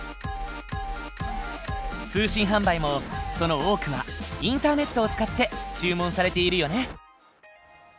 通信販売もその多くはインターネットを使って注文されているよね。